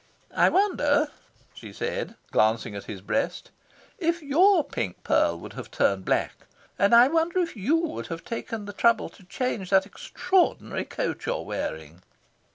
I wonder," she said, glancing at his breast, "if YOUR pink pearl would have turned black? And I wonder if YOU would have taken the trouble to change that extraordinary coat you are wearing?"